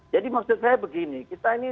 jadi maksud saya begini kita ini